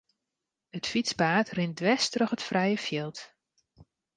It fytspaad rint dwers troch it frije fjild.